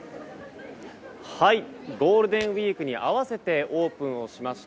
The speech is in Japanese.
ゴールデンウィークに合わせてオープンをしました